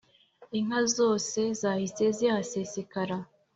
Inka zose zahise zihasesekara